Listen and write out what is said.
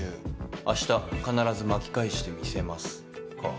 「明日、必ず巻き返してみせます」か。